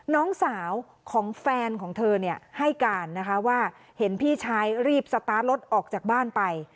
น้องสาวของแฟนของเธอเนี่ยให้การนะคะว่าเห็นพี่ชายรีบสตาร์ทรถออกจากบ้านไป